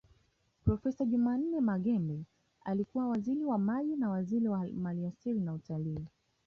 Profesa Jumanne Maghembe alikuwa Waziri wa Maji na waziri wa maliasili na utalii